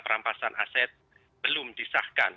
perampasan aset belum disahkan